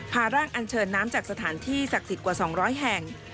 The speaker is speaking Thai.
พาร่างอันเชิญน้ำจากสถานที่ศักดิ์สิทธิ์กว่า๒๐๐แห่ง